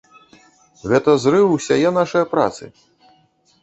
Гэта зрыў усяе нашае працы.